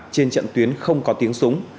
trên trận tuyến không có tiếng súng